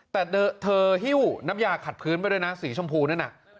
แต่เธอหิ้วน้ำยาขัดพื้นไปด้วยนะสีชมพูนั่นน่ะ